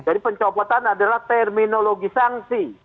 jadi pencopotan adalah terminologi sanksi